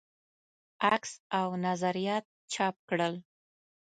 عکس او نظریات چاپ کړل.